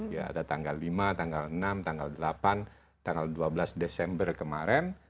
ya ada tanggal lima tanggal enam tanggal delapan tanggal dua belas desember kemarin